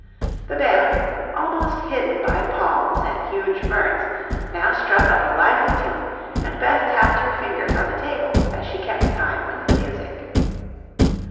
The band, almost hidden by palms and huge ferns, now struck up a lively tune, and Beth tapped her fingers on the table as she kept time with the music.